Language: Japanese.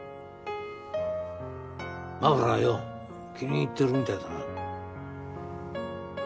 マフラーよう気に入ってるみたいだな。